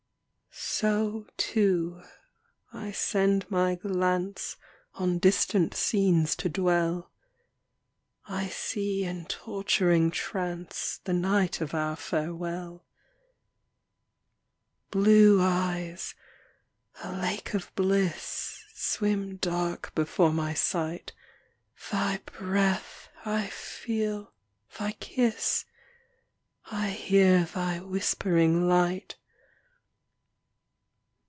So, too, I send my glance On distant scenes to dwell ; I see in torturing trance The night of our farewell. Blue eyes, a lake of bliss, Swim dark before my sight. Thy breath, I feel, thy kiss ; I hear thy whispering light.